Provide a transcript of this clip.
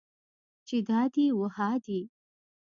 چې دا دي و ها دي.